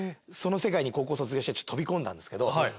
その世界に高校卒業して飛び込んだんですけど。